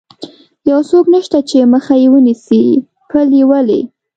یو څوک نشته چې مخه یې ونیسي، پل یې ولې.